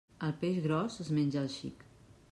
El peix gros es menja el xic.